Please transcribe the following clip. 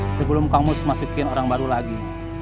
sebelum kang mus masukin orang baru lagi